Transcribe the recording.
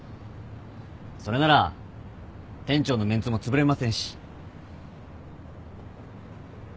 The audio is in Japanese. それなら店長のメンツもつぶれませんし。